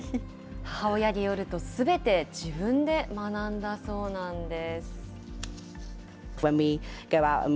母親によると、すべて自分で学んだそうなんです。